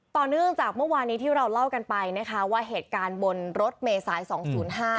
ต่อเนื่องจากเมื่อวานี้ที่เราเล่ากันไปนะคะว่าเหตุการณ์บนรถเมษายสองศูนย์ห้า